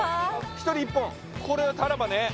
１人１本これはタラバね